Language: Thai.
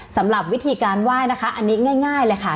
สำหรับวิธีการไหว้นะคะอันนี้ง่ายเลยค่ะ